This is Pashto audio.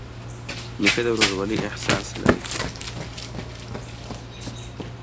نیکه د ورورولۍ احساس لري.